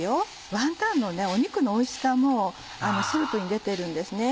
ワンタンの肉のおいしさもスープに出てるんですね。